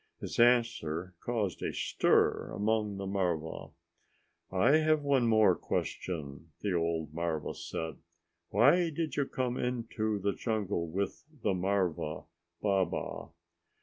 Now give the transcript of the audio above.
His answer caused a stir among the marva. "I have one more question," the old marva said. "Why did you come into the jungle with the marva, Baba?"